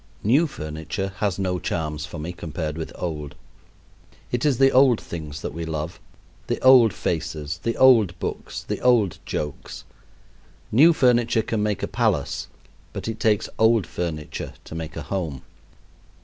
New furniture has no charms for me compared with old. It is the old things that we love the old faces, the old books, the old jokes. New furniture can make a palace, but it takes old furniture to make a home.